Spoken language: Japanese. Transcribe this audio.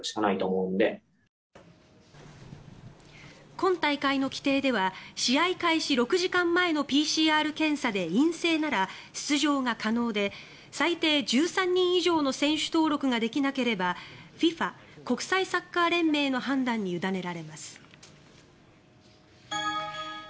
今大会の規定では試合開始６時間前のＰＣＲ検査で陰性なら出場が可能で最低１３人以上の選手登録ができなければＦＩＦＡ・国際サッカー連盟の判断に委ねられます。